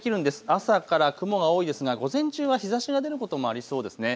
朝から雲が多いですが午前中は日ざしが出ることもありそうです。